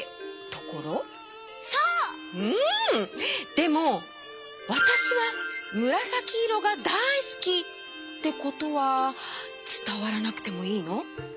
でも「わたしはむらさきいろがだいすき」ってことはつたわらなくてもいいの？